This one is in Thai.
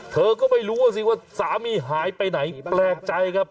เธอก็ไม่รู้ว่าสิว่าสามีหายไปไหนแปลกใจครับ